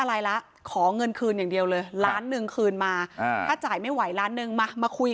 อะไรละขอเงินคืนอย่างเดียวเลยล้านหนึ่งคืนมาอ่าถ้าจ่ายไม่ไหวล้านหนึ่งมามาคุย